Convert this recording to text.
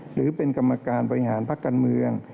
หรือเป็นกรรมการบริหารพักการเมือง